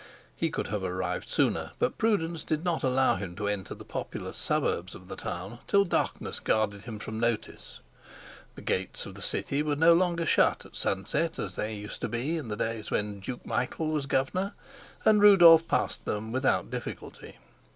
He could have arrived sooner, but prudence did not allow him to enter the populous suburbs of the town till the darkness guarded him from notice. The gates of the city were no longer shut at sunset, as they had used to be in the days when Duke Michael was governor, and Rudolf passed them without difficulty.